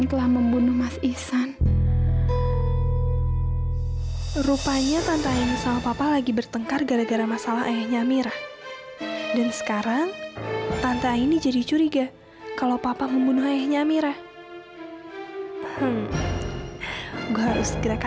sampai jumpa di video selanjutnya